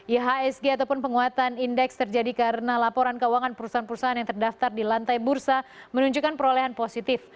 ihsg ataupun penguatan indeks terjadi karena laporan keuangan perusahaan perusahaan yang terdaftar di lantai bursa menunjukkan perolehan positif